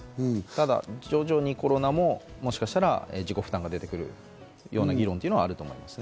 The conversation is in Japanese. ただ徐々にコロナももしかしたら自己負担が出てくるような議論というのはあると思います。